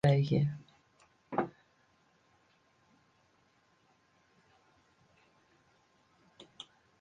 Elk seit dat it mar in sêft pryske is, dat se freegje.